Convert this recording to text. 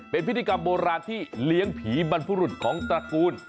เป็นพิธีกรรมโบราณที่เลี้ยงผีบรรพรุรุษของตระกูล